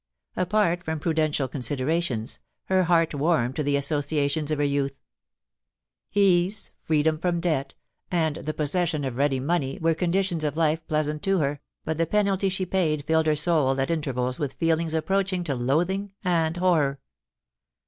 Apart from prudential considerations, her heart warmed to the associations of her youth. Elase, freedom from debt, and the possession of ready money, were conditions of life pleasant indeed to her, but the penalty she paid filled her soul at intervals with feelings approaching to loathing and horror.